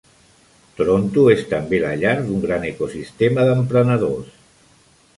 Toronto és també la llar d'un gran ecosistema d'emprenedors.